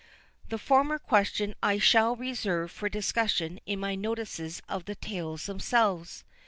The former question I shall reserve for discussion in my notices of the tales themselves.